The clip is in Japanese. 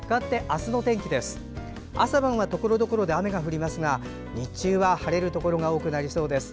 朝晩はところどころで雨が降りますが日中は晴れるところが多くなりそうです。